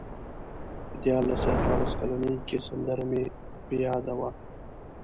په دیارلس یا څوارلس کلنۍ کې سندره مې په یاد وه.